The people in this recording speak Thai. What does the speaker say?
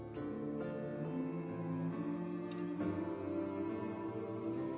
จริงจริงจริง